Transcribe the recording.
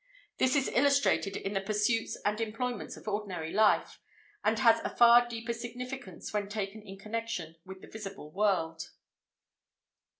This is illustrated in the pursuits and employments of ordinary life, and has a far deeper significance when taken in connection with the invisible world.